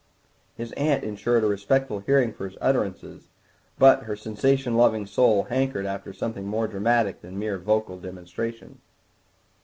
His aunt ensured a respectful hearing for his utterances, but her sensation loving soul hankered after something more dramatic than mere vocal demonstration.